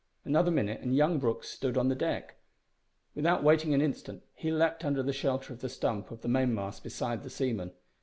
Another minute and young Brooke stood on the deck. Without waiting an instant he leaped under the shelter of the stump of the mainmast beside the seaman.